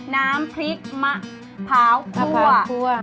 น้ำพริกมะพร้าวคั่วคั่ว